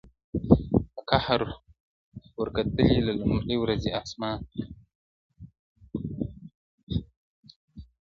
په قهر ورکتلي له لومړۍ ورځي اسمان-